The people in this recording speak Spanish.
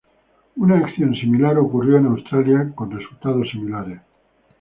Una acción similar ocurrió en Australia, con resultados similares.